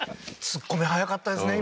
ツッコミ早かったですね